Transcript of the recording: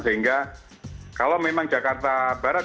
sehingga kalau memang jakarta barat